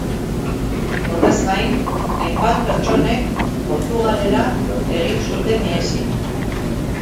Horrez gain, hainbat pertsonek Portugalera egin zuten ihesi.